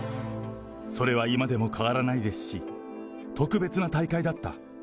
それは今でも変わらないですし、特別な大会だった。